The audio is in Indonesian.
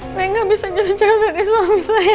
saya tidak bisa jauh jauh dari suami saya